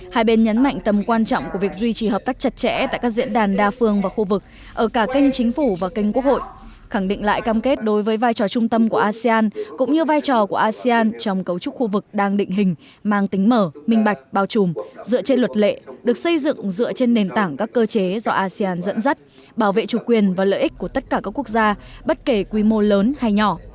hai bên nhấn mạnh tầm quan trọng của việc duy trì hợp tác chặt chẽ tại các diễn đàn đa phương và khu vực ở cả kênh chính phủ và kênh quốc hội khẳng định lại cam kết đối với vai trò trung tâm của asean cũng như vai trò của asean trong cấu trúc khu vực đang định hình mang tính mở minh bạch bao trùm dựa trên luật lệ được xây dựng dựa trên nền tảng các cơ chế do asean dẫn dắt bảo vệ chủ quyền và lợi ích của tất cả các quốc gia bất kể quy mô lớn hay nhỏ